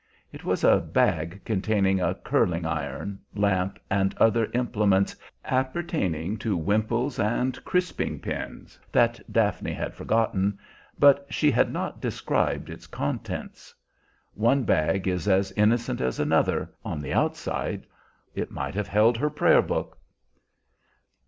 (It was a bag containing a curling iron, lamp, and other implements appertaining to "wimples and crisping pins," that Daphne had forgotten, but she had not described its contents. One bag is as innocent as another, on the outside; it might have held her Prayer Book.)